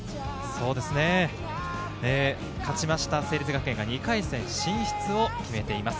勝ちました成立学園が２回戦進出を決めています。